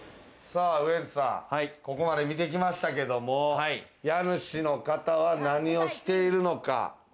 ウエンツさん、ここまで見てきましたけども、家主の方は何をしてるのか？